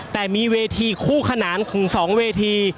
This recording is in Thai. แต่มีเวทีคู่ขนานของ๒เวที